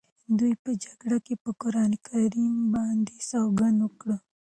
دوی په جرګه کې پر قرآن باندې سوګند وکړ.